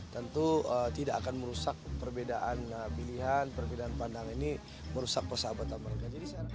tentu tidak akan merusak perbedaan pilihan perbedaan pandangan ini merusak persahabatan mereka